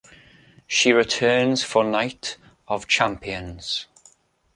She returns for Night of Champions.